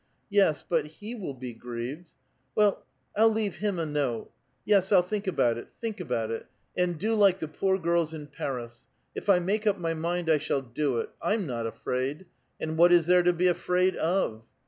Yes, but he will be grieved. Well, I'll leave him a note. Yes, I'll think about it, think about it, and do like the poor girls in Paris ; if I make up my mind, I shall do it. I'm not afraid ! And what is there to be afraid of